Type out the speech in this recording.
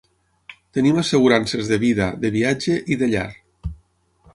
Tenim assegurances de vida, de viatge i de llar.